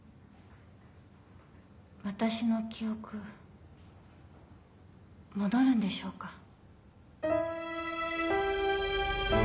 私の記憶戻るんでしょうか。